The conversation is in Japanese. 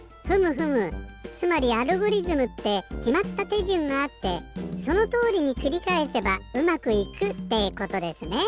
ふむふむつまりアルゴリズムってきまったてじゅんがあってそのとおりにくりかえせばうまくいくってことですね。